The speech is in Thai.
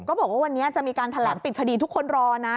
บอกว่าวันนี้จะมีการแถลงปิดคดีทุกคนรอนะ